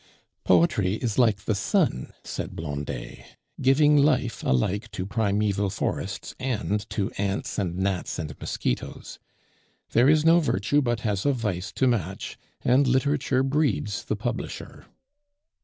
"Poetry is like the sun," said Blondet, "giving life alike to primeval forests and to ants and gnats and mosquitoes. There is no virtue but has a vice to match, and literature breeds the publisher."